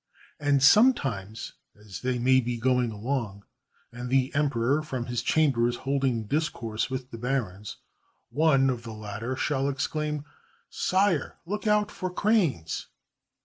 And sometimes, as they may be going along and the emperor from his chamber is holding discourse with the barons, one of the latter shall exclaim, "Sire! look out for cranes!"